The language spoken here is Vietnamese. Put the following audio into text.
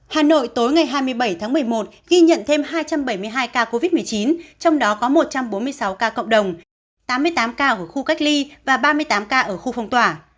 hà nội tối ngày hai mươi bảy tháng một mươi một ghi nhận thêm hai trăm bảy mươi hai ca covid một mươi chín trong đó có một trăm bốn mươi sáu ca cộng đồng tám mươi tám ca ở khu cách ly và ba mươi tám ca ở khu phong tỏa